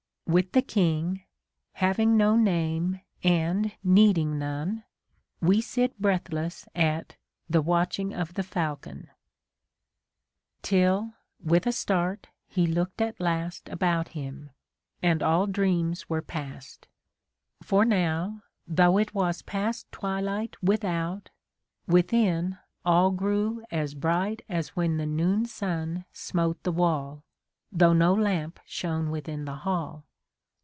With the King, — having no name and needing none, — we sit breathless at The Watching of the Falcon^ — Till, with a start, he looked at last About him, and all dreams were past ; For now, though it was past twilight Without, within all grew as bright A DAY WITH WILLIAM MORRIS. As when the noon sun smote the wall, Though no lamp shone within the hall.